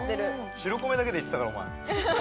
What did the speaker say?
白米だけで行ってたからお前。